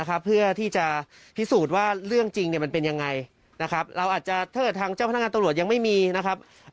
คือมาในเรื่องของกะดินี้อย่างเดียวเลยนะครับ